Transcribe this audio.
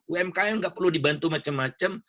umkm nggak perlu dibantu macam macam